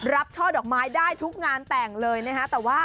รับช่อดอกไม้ได้ทุกงานแต่งเลยนะฮะแต่ว่า